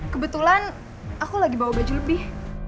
kebetulan aku lagi bawa baju lebih